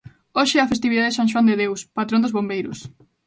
Hoxe é a festividade de San Xoán de Deus, patrón dos bombeiros.